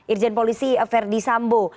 irjen polisi ferdisambo